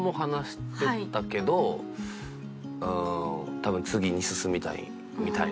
多分次に進みたいみたいな。